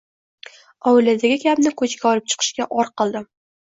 Oiladagi gapni ko`chaga olib chiqishga or qildim